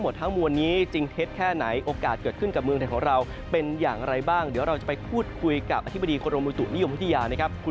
สวัสดีครับท่านครับ